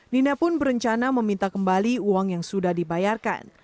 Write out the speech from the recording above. nina pun berencana meminta kembali uang yang sudah dibayarkan